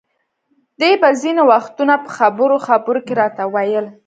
دې به ځینې وختونه په خبرو خبرو کې راته ویل.